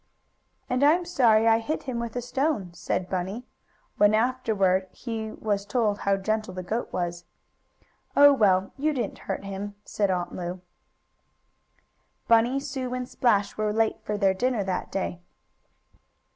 "And I'm sorry I hit him with a stone," said Bunny, when, afterward, he was told how gentle the goat was. "Oh, well, you didn't hurt him," said Aunt Lu. Bunny, Sue and Splash were late for their dinner that day.